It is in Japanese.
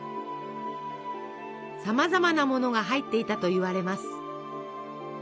さまざまなものが入っていたといわれます。